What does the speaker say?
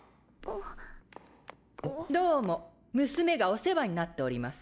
どうも娘がお世話になっております。